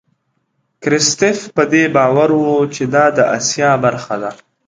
کرستیف په دې باور و چې دا د آسیا برخه ده.